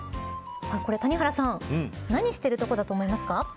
谷原さん、何をしているところだと思いますか。